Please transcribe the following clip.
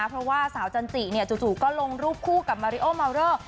เพราะว่าสาวจันทรีย์เนี่ยจู่ก็ลงรูปคู่กับมาริโอมาวเดอร์